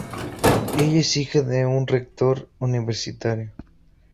Ella es hija de un rector universitario.